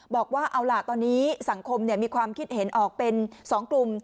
บอกว่าเอาล่ะตอนนี้สังคมมีความคิดเห็นออกเป็น๒กลุ่ม